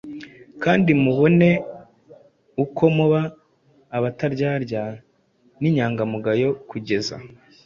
kandi mubone uko muba abataryarya n’inyangamugayo kugeza